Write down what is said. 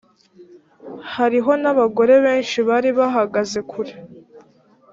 hariho n abagore benshi bari bahagaze kure